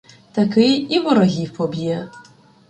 Такий і ворогів поб'є.